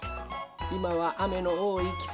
いまはあめのおおいきせつ。